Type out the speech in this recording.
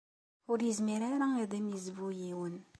Ur yezmir ara ad am-yezbu yiwen.